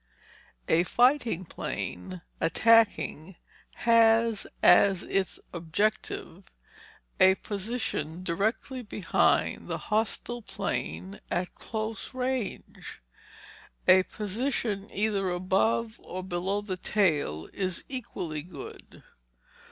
A fighting plane attacking has as its objective a position directly behind the hostile plane at close range. A position either above or below the tail is equally good.